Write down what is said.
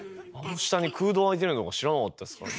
下に空洞あいてるのも知らなかったですからね。